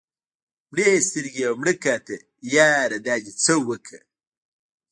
مړې سترګې او مړه کاته ياره دا دې څه اوکړه